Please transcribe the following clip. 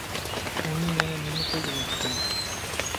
ئۇنى يەنە نېمە قىل دېمەكچى؟